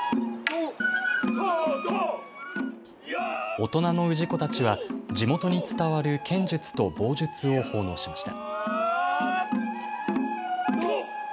大人の氏子たちは地元に伝わる剣術と棒術を奉納しました。